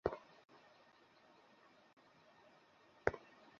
দোকানের বাইরে মুখে সাদা রুমাল বাঁধা ব্যক্তি ককটেলের বিস্ফোরণ ঘটাতে থাকেন।